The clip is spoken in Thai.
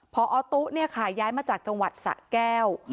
พอตุ๊ย้ายมาจากจังหวัดสะแก้ว